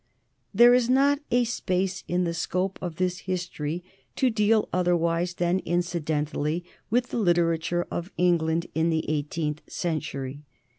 There is not a space in the scope of this history to deal, otherwise than incidentally, with the literature of England in the eighteenth century.